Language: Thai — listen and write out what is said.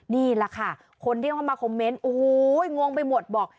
นี่แหละค่ะคนที่เข้ามาคอมเมนต์โอ้โหงงไปหมดบอก